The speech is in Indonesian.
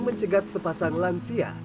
mencegat sepasang lansia